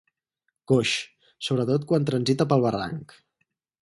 Coix, sobretot quan transita pel barranc.